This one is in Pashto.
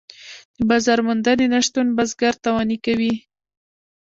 د بازار موندنې نشتون بزګر تاواني کوي.